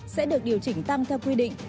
sẽ được điều chỉnh tăng theo quy định